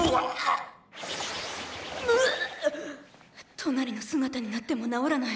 トナリの姿になっても治らない。